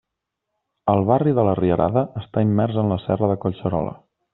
El barri de la Rierada està immers en la serra de Collserola.